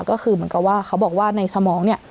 ก็คือเหมือนกับว่าเขาบอกว่าในสมองเนี่ย